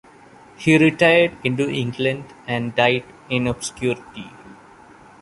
He retired into England and died in obscurity.